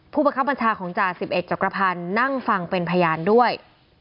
ผู้ประคับบัญชาของจ่า๑๑จักรพรณนั่งฟังเป็นพยานด้วย